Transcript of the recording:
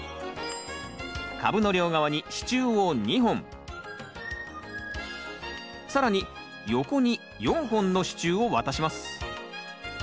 株の両側に支柱を２本更に横に４本の支柱をわたします。